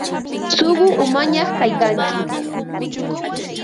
Suqu umañaq kaykanki.